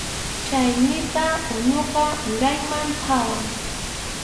Chayninta unuqa urayman phawan.